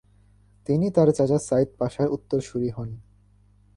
তিনি তার চাচা সাইদ পাশার উত্তরসুরি হন।